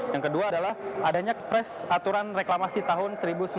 yang kedua adalah adanya aturan reklamasi tahun seribu sembilan ratus sembilan puluh